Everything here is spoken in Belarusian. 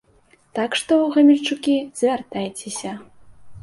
Так што, гамельчукі, звяртайцеся!